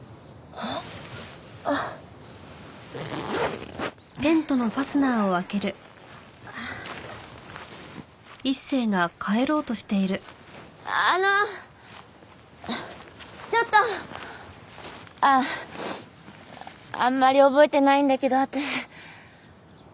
あっあんまり覚えてないんだけど私。